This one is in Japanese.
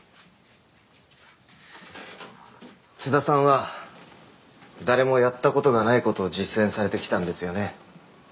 津田さんは誰もやった事がない事を実践されてきたんですよね。